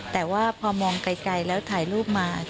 แต่ว่าพอมองไกลแล้วถ่ายรูปมา